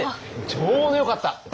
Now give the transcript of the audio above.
ちょうどよかった。